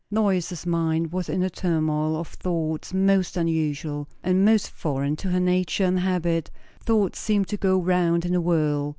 Lois's mind was in a turmoil of thoughts most unusual, and most foreign to her nature and habit; thoughts seemed to go round in a whirl.